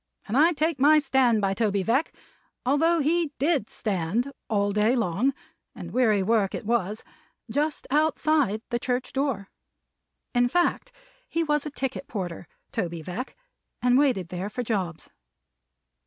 And I take my stand by Toby Veck, although he did stand all day long (and weary work it was) just outside the church door. In fact he was a ticket porter, Toby Veck, and waited there for jobs.